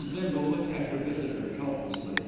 Bindle looked at her visitor helplessly.